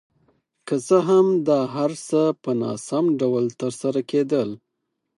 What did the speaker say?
که څه هم دا هر څه په ناسم ډول ترسره کېدل.